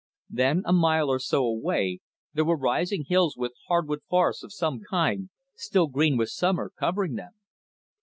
Then, a mile or so away, there were rising hills with hardwood forests of some kind, still green with summer, covering them.